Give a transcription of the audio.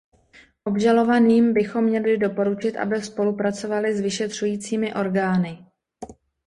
Obžalovaným bychom měli doporučit, aby spolupracovali s vyšetřujícími orgány.